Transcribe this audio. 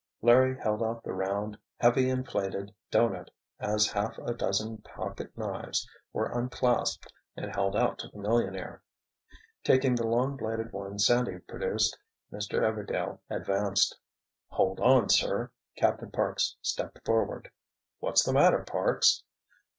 Larry held out the round, heavy inflated "doughnut" as half a dozen pocket knives were unclasped and held out to the millionaire. Taking the long bladed one Sandy produced, Mr. Everdail advanced. "Hold on, sir!" Captain Parks stepped forward. "What's the matter, Parks?"